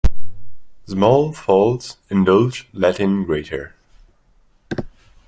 Small faults indulged let in greater.